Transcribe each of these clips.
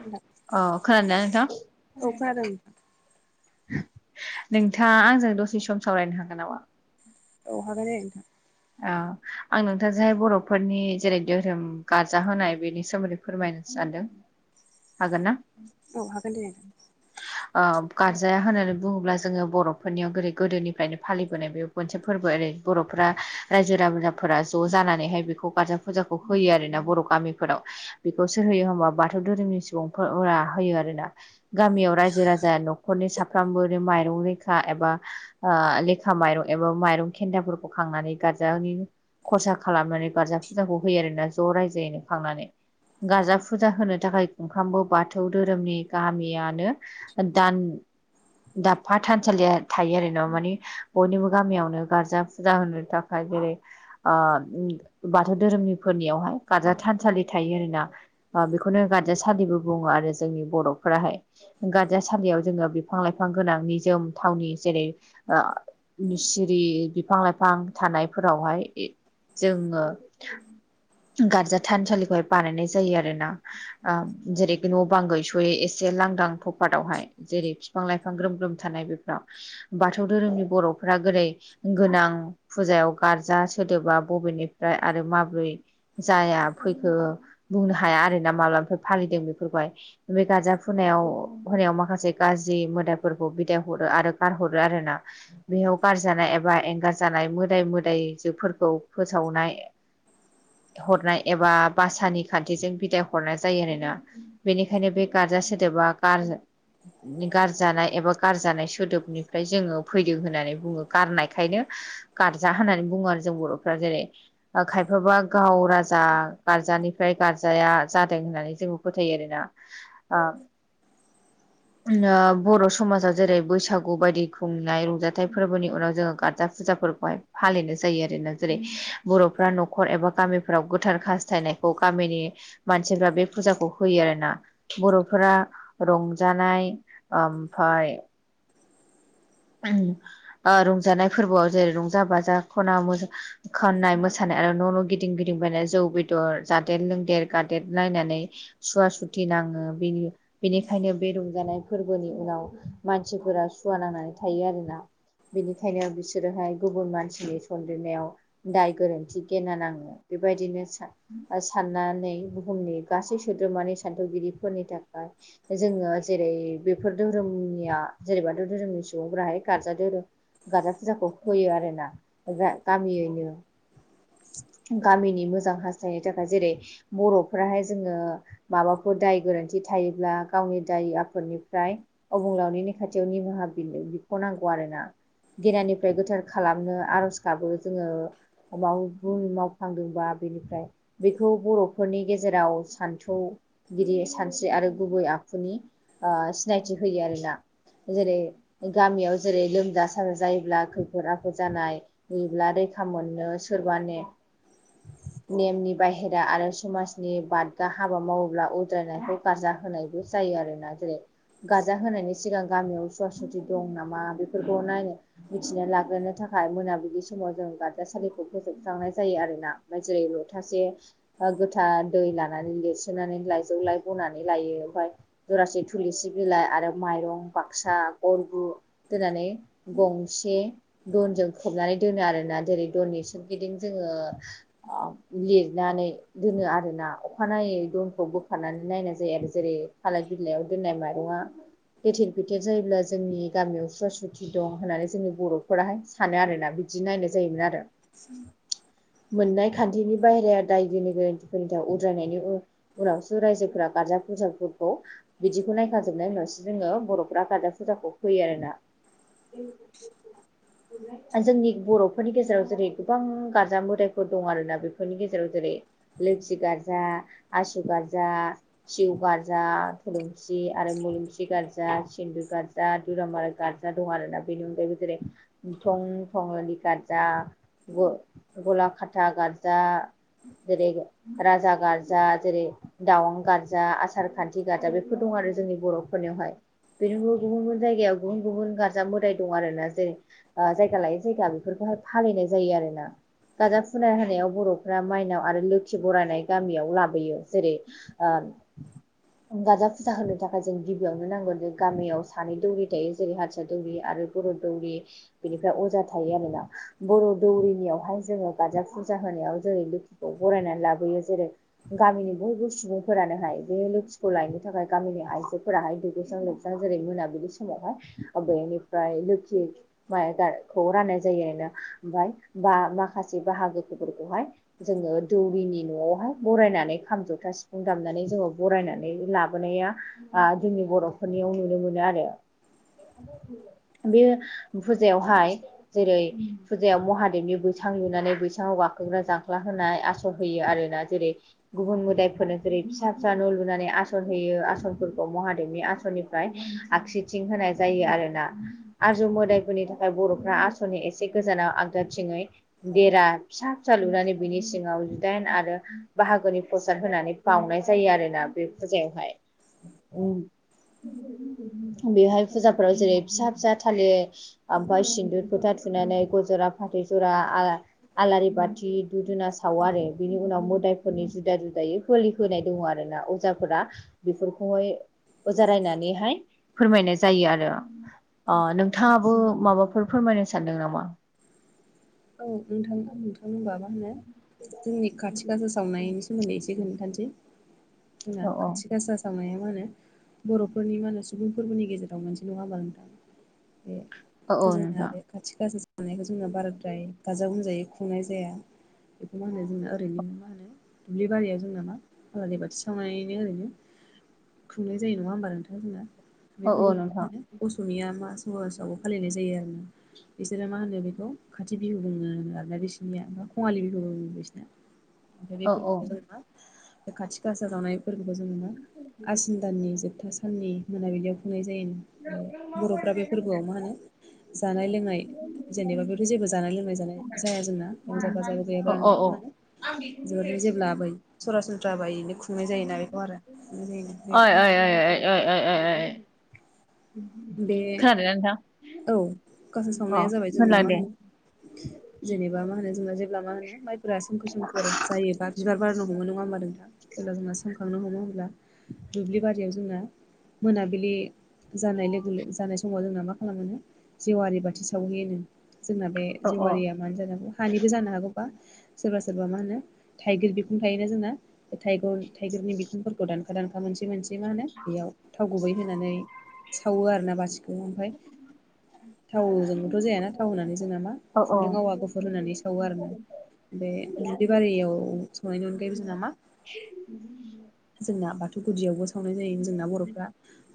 नोंथां अ खोनादोंना औ नोंथां? खोनादों नोंथां नोंथाङा आंजों दसे सम सावरायनो हागोन नामा? औ हागोन दे नोंथां। ओ आं नोंथांजोंहाय बर'फोरनि जेरै धोरोम गारजा होनाय बेनि सोमोन्दै फोरमायनो सानदों। हागोन ना? औ हागोन दे। ओ गारजाया होननानै बुङोब्ला जोङो बर'फोरनियाव गोदो गोदोनिफ्रायनो फालिबोनाय बे मोनसे फोरबो ओरै बर'फ्रा रायजो राजाफोरा ज' जानानैहाय बेखौ गारजा फुजाखौ होयो आरोना बर' गामिफोराव। बेखौ सोर होयो होमबा बाथौ धोरोमनि सुबुंफोरा आ होयो आरोना। गामियाव रायजो राजा न'खरनि साफ्रोमबोनि माइरं लेखा एबा आ लेखा माइरं एबा माइरं खेन्दाफोरखौ खांनानै गार्जानि खरसा खालामनानै गारजा फुजाखौ होयो आरोना ज' रायजोयैनो खांनानै गारजा फुजा होनो थाखाय गुंखामबो बाथौ धोरोमनि गामि इयानो दान दाबफा थानसालिया थायो आरो ना मानि बयनिबो गामियावनो गार्जा फुजा होनो थाखाय जेरै आ उम बाथौ धोरोमनिफोरनियावहाय गारजा थानसालि थायो आरोना आ बेखौनो गारजा सलिबो बुङो आरो जोंनि बर'फोराहाय गारजासालियाव जोङो बिफां लाइफां गोनां निजोम थावनि जेरै आ नि सिरि बिफां लाइफां थानायफोरावहाय इ जोङो गारजा थानसालिखौहाय बानायनाय जायो आरो ना आ जेरै बे न' बां गैस'यै एसे लां दां थपादावहाय जेरै फिफां लाइफां ग्रोम ग्रोम थानाय बेफ्राव बाथौ धोरोमनि बर'फ्रा गोरै गोनां फुजायाव गारजा सोदोबा बबेनिफ्राय आरो माब्रै जाया फैखो बुंनो हाया आरोना मालामफाय फालिदों बेफोरखौहाय बे गारजा फुनायाव होनायाव माखासे गाज्रि मोदायफोरखौ बिदाय हरो आरो गारहरो आरो ना बेयाव गारजानाय एबा एंगारजानाय मोदाय मोदायजोफोरखौ फोसावनाय हरनाय एबा बासानि खान्थिजों बिदाय हरनाय जायो आरोना बेनिखायनो बे गार्जा सोदोबा गारजा गारजानाय एबा गारजानाय सोदोबनिफ्राय जोङो फैदों होननानै बुङो गारनायखायनो गारजा होननानै बुङो आरो जों बर'फ्रा जेरै खायफाबा गाव राजा गारजानिफ्राय गारजाया जादों होननानै जोंबो फोथायो आरोना [unintelligible] आ [unintelligible] बर' समाजाव जेरै बैसागु बायदि खुंनाय रंजाथाइ फोरबोनि उनाव जोङो गार्जा फुजाफोरखौहाय फालिनो जायो आरोना जेरै बर'फ्रा न'खर एबा गामिफ्राव गोथार खास्थायनायखौ गामिनि मानसिफ्रा बे फुजाखौ होयो आरोना बर'फोरा रंजानाय ओमफाय आ रंजानाय फोरबोआव जेरै रंजा बाजा खना मोजा खोननाय मोसानाय आरो न' न' गिदिं गिदिं बायनाय जौ बेदर जादेर लोंदेर गादेदलायनानै सुवा सुथि नाङो बेनि बेनिखायनो बे रंजानाय फोरबोनि उनाव मानसिफोरा सुवा नांनानै थायो आरोना बिनिखायनो बिसोरोहाय गुबुन मानसिनि सन्देरनायाव दाय गोरोन्थि गेना नाङो बेबायदिनो सा आ साननानै बुहुमनि गासै सोद्रोमानि सानथौगिरिफोरनि थाखाय जोङो जेरै बेफोर धोरोमनिया जेरै बाथौ धोरोमनि सुबुंफोराहाय गारजा धोरोम गार्जा फुजाखौ होयो आरो ना [unintelligible] गामियैनो गामिनि मोजां हासथायनो थाखाय जेरै बर'फ्राहाय जोङो माबाफोर दाय गोरोन्थि थायोब्ला गावनि दाय आफोनि फ्राय अबुंलावनिनि खाथियाव निमाहा बिनो बिख' नांगौ आरोना गेनानिफ्राय गोथार खालामनो आर'ज गाबो जोङो [unintelligible] मावफांदोंबा बेनिफ्राय बेखौ बर'फोरनि गेजेराव सान्थौगिरि सानस्रि आरो गुबै आखुनि आ सिनायथि होयो आरोना जेरै गामियाव जेरै लोमजा साजा जायोब्ला खैफोद आफोद जानाय होयोब्ला रेखा मोनो सोरबा ने नेमनि बाहेरा आरो समाजनि बादगा हाबा मावोब्ला उद्रायनायखौ गारजा होनायबो जा जायो आरोना जेरै गाजा होनायनि सिगां गामियाव [unintelligible] जुदि दं नामा बेफोरखौ नायनो मिथिनो लाग्रोनो थाखाय मोनाबिलि समाव जों गारजासालिखौ फोजोबस्रांनाय जायो आरोना [unintelligible] जेरै लथासे बा गोथार दै लानानै लिरस्रोनानै लाइजौ लाय बनानै लायो ओमफाय जरासि थुलसि बिलाइ आरो माइरं बाक्सा गरगु दोननानै गंसे दनजों खोबनानै दोनो आरोना। जेरै दननि सोरगिदिं जोङो लिरनानै दोनो आरोना अखानायै दमखौ बोखारनानै नायनाय जायो आरो जेरै थालिर बिलाइयाव दोननाय माइरङा लेथेर फेथेर जायोब्ला जोंनि गामियाव सुवा सुथि दं होननानै जोंनि बर'फोराहाय सानो आरोना बिदि नायनाय जायोमोन आरो। [unintelligible] मोननाय खान्थिनि बाहेराया दाय गुनि गोरोन्थिफोरनि थाखाय उद्रायनायनि उनावसो रायजोफोरा गारजा फुजाफोरखौ बिदिखौ नायखाजोबनायनि उनावसो जोङो बर'फ्रा गारजा फुजाखौ होयो आरोना। [unintelligible] जोंनि बर'फोरनि गेजेराव जेरै गोबां गारजा मोदायफोर दं आरोना बेफोरनि गेजेराव जेरै लोखि गार्जा, आसु गारजा, सिउ गारजा थुलुंसि आरो मुलुंसि गारजा सिन्दु गारजा जा गारजा दुरामार गार्जा दं आरोना। बेनि अनगायैबो जेरै थं थङालि गारजा। ग-गला खाथा गारजा जेरै राजा गारजा जेरै दावां गार्जा आसार खान्थि गार्जा बेफोर दं आरो जोंनि बर'फोरनियावहाय। बेनि गुबुन गुबुन जायगायाव गुबुन गुबुन गारजा मोदाय दं आरोना। जेरै ओ जायगा लायै जायगा बेफोरखौहाय फालिनाय जायो आरो ना। गार्जा फुना होनायाव बर'फ्रा माइनाव आरो लोखि बरायनाय गामियाव लाबोयो जेरै गार्जा फुजा होनो थाखाय जों गिबियावनो नांगोरगौ गामियाव सानै दौरि थायो जेरै हारसा दौरि आरो बर' दौरि बेनिफ्राय अजा थायो आरोना। बर' दौरिनियावहाय जोङो गाजा फुजा होनायाव जेरै लोखिखौ बरायनानै लाबोयो। जेरै गामिनि बयबो सुबुंफोरानोहाय बे लोखिखौ लायनो थाखाय गामिनि आइजोफोराहाय दुगैस्रां लोबस्रां जेरै मोनाबिलि समावहाय बेनिफ्राय लोखि माइ गाखौ राननाय जायो आरोना। ओमफाय बा माखासे बाहागोफफोरखौहाय जोङो दौरिनि न'आवहाय बरायनानै खाम जथा सिफुं दामनानै जोङो बरायनानै लाब बोनाया जोंनि बर'फोरनियाव नुनो मोनो आरो। बे फुजायावहाय जेरै फुजायाव महादेबनि बैसां लुनानै बैसङाव गाखोग्रा जांख्ला होनाय। आस थ' होयो आरोना जेरै गुबुन मोदायफोरनो जेरै फिसा फिसा न' लुनानै आसन होयो आसनफोरखौ महादेबनि आसननि ओम आगसिथिं होनाय जायो आरोना। आरजौ मोदायफोरनि थाखाय बर'फ्रा आसननि एसे गोजानाव आगदाथिङै देरा फिसा फिसा लुनानै बिनि सिङाव जिदाइन आरो बाहागोनि प्रसाद होनानै बाउनाय जायो आरोना बे फुजायावहाय। बेहाय फुजाफोराव जेरै फिसा फिसा थाले ओमफाय सिन्दुर फोथा थुनानै गय जरा फाथै जरा आला आलारि बाथि दुदुना सावो आरो बिनि उनाव मोदायफोरनि जुदा जुदायै फोलि होनाय दङ आरोना अजाफोरा बेफोरखौहाय अजा रायनानैहाय फोरमायनाय जायो आरो नोंथाङाबो माबाफोर फोरमायनो सानदों नामा? औ नोंथां नोंथां होमबा मा होनो जोंनि खाथि गासा सावनायनि सोमोन्दै एसे खोन्थानोसै। जोंना औ औ खाथि गासा मोसावनाया मा होनो बर'फोरनि मा होनो सुबुंफोरबोनि गेजेराव मोनसे नङााबा नोंथां? बे औ औ [unintelligible] नोंथां बे खाथि गाजा सानायखौ जोंना बारा ओमफ्राय गाजा गोमजायै खुंनाय जाया बेखौ मा होनो जोंना ओरैनो मा होनो दुब्लि बारियाव जोंना मा आलारि बाथि सावनानैनो ओरैनो खुंनाय जायो नङा होमबा नोंथां जोंना बे औ औ नोंथां फोरबोखौ। समिया मा समाजावबो फालिनाय जायो आरो ना बिसोरो मा होनो बेखौ। खाथि बिहु बुङो आरोना बिसिनिया कङालि बिहु बुङो बिसिना। औ औ बेफोरखौबो जों नङा खाथि खासा जावनायफोरखौबो जों नुयो आसिन दाननि जोबथा साननि मोनाबिलियाव खुंनाय जायो। बर'फ्रा बे फोरबोआव मा होनो जानाय लोंनाय जेनेबा बे जानाय लोंनाय जानाय जाया जोंना रंजा बाजाबो गैयाब्ला औ औ नुनो औ मानो। जोबोदनो जेब्ला बै सरासनस्रा बायनो खुंनाय जायोना बेखौ आरो खुंनाय जायो। बे [unintelligible] बे खोनादोना औ गासा नोंथां अ सावनाया जाबाय जोंना मा खोनादों। होनो जेनेबा मा होनो जोंना जेब्ला मा होनो माइफोरा सोमखोर सोमखोर जायोबा बिबार बारनो हमो नङा होमबा नोंथां। जेब्ला जोंना सोंखांनो हमो होमब्ला। दुब्लि बारियाव जोंना मोनाबिलि जानाय लोगो लोगो जानाय समाव जोंना मा खालामोनो जेवारि बाथि सावहैयो जोंना बे औ औ जेवारिया मा जानो हांगौ हानिबो जानो हागौ बा सोरबा सोरबा मा होनो थाइगिर बिखुं थायोना जोंना बे थगर थाइगिरनि बि खंफोरखौ दानखा दानखा मोनसे मोनसे मा होनो बेयाव थाव गुबै होनानै। सावो आरोना बाथिखौ ओमफ्राय थावजोंबोथ' जायाना थाव होनानै जोंना मा औ औ खुन्दुं आवा गुफुर होनानै सावो आरोना। बे दुब्लिबारियाव संनायनि अनगायैबो जोंना मा [inaudible] जोंना बाथौ गुदियावबो सावनाय जायो। जोंना बर'फ्रा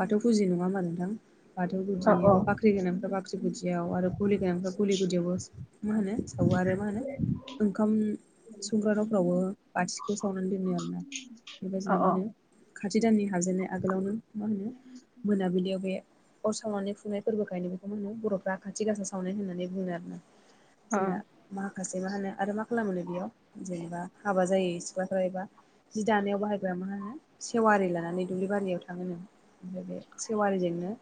बाथौ फुजि नङा होनबा नों थां। बाथौ औ गुदि एबा बाख्रि गोनांफ्रा बाख्रि गुदियाव आरो गलि गोनांफ्रा गलि गुदियावबो। मा होनो सावो आरो मा होनो। ओंखाम संग्रा नफ्रावबो बाथिखौ सावनानै दोनो आरोना। अ बेबायदिनो मा अ। होनो खाथि दाननि हाबजेननाय आगोलावनो मा होनो मोनाबिलियाव बे अर सावनानै खुंनाय फोरबोखायनो बेखौ होनो बर'फ्रा खाथि गासा सावनाय होननानै बुङो आरोना। औ जोंना माखासे मा होनो आरो मा खालामो बेयाव जेनेबा हाबा जायो सिख्लाफ्रा एबा जि दानायाव बाहायग्रा मा होनो सेवारि लानानै दुब्लि बारियाव थाङोनो। आमफ्राय बे सेवारिजोंनो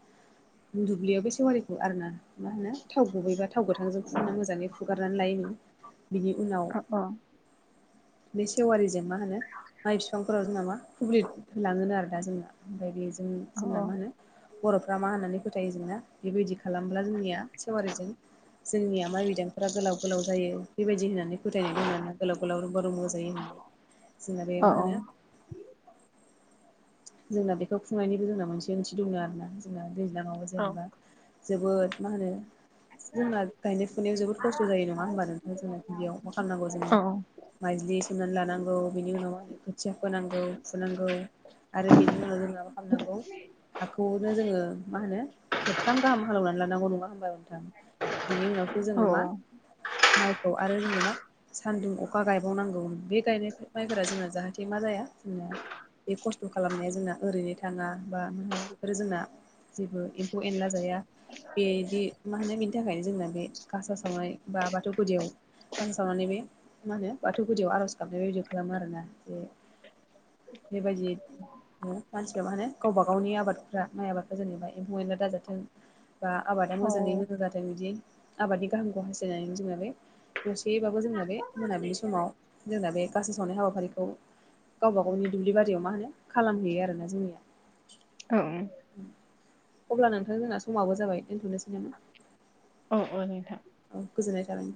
दुब्लियाव बे सेवारिखौ आरोना मा होनो थाव गुबैबा थाव गोथांजों फुनना मोजाङै फुगारनानै लायोनो। बिनि उनाव औ औ बे सेवारिजों मा होनो माइ बिफांफोराव जों नामा फुब्लि होलाङोनो आरो दा जोंना। ओमफ्राय बेजों जोंना मा होनो बर'फ्रा मा होननानै फोथायो जोंना बे बायदिखौ खालामब्ला जोंनिया सेवारिजों जोंनिया माइ बिदांफोरा गोलाव गोलाव जायो बे बायदि होननानै फोथायनाय दं ना गोलाव गोलाव रमबा रुमबां जायो होननानै। जोंना बे औ मा होनो जोंना बेखौ खुंनायनिबो जोंना मोनसे ओंथि दङ आरोना। जोंना दैज्लाङाव औ जेनेबा जोबोद मा होनो जोंना गायनाय फुनायाव जोबोद खस्थ' जायो नङा होमबा नोंथाङ जोंना बेयाव मा खालामनांगौ जोङो। औ माइज्लि सोमनानै लानांगौ बिनि उनाव मा होनो खोथिया फोनांगौ फुनांगौ। आरो बेनि उनाव जों माबा खालामनांगौ हाखौ नो जोङो मा होनो खेबथाम गाहाम हालौनानै लानांगौ नङा होमबा नोंथां। बिनि उनावसो जोङो मा माइखौ आरो जोङो मा सान्दुं अखा गायबावनांगौ बे गायनाय माइफोरा जोंना जाहाथे मा जाया जोंना। बे खस्थ' खालामनाया जोंना ओरैनो थाङा बा मा होनो आरो जोंना जेबो एम्फौ एनला जाया। बेदि मा होनो बेनि थाखायनो जोंना बे गासा सावनाय बा बाथौ गुदियाव गानसावनानै बे मा होनो बाथौ गुदियाव आर'ज गाबनाय बेबायदि खालामो आरोना बे बेबायदि मानसिफ्रा मा होनो गावबा गावनि आबाद माइ आबादखौ्रा जेनेबा एम्फौ एनला दाजाथों बा आबादा मोजाङै मजां जाथों बिदि आबादनि गाहामखौ हास्थायनानै जोंना बे दसेबाबो जोंना बे मोनाबिलि समाव जोंना बे गासो सावनाय हाबाफारिखौ गावबा गावनि दुब्लि बारियाव मा होनो खालामहैयो आरोना जोंनिया। औ। अब्ला नोंथां जोंना समाबो जाबाय दोनथ'नोसै नामा? औ औ नोंथां। औ गोजोननाय थाबाय